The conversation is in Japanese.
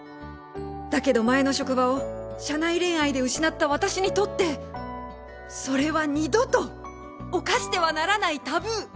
だけど前の職場を社内恋愛で失った私にとってそれは二度と犯してはならないタブー。